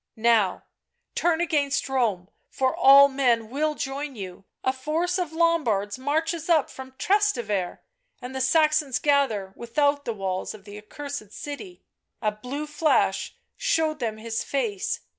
" Now, turn against Rome, for all men will join you — a force of Lombards marches up from Trastevere, and the Saxons gather without the walls of the accursed city." A blue flash showed them his face